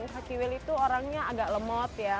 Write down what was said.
hakiwil itu orangnya agak lemot ya